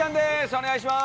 お願いします！